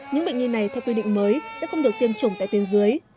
những bệnh nhi này theo quy định mới sẽ không được tiêm chủng tại tiên dưới